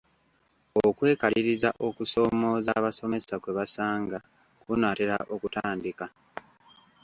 Okwekaliriza okusoomooza abasomesa kwe basanga kunaatera okutandika.